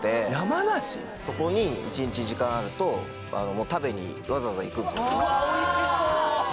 そこに１日時間あると食べにわざわざ行くんですわあ